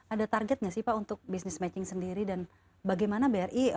ada target nggak sih pak untuk business matching sendiri dan bagaimana bri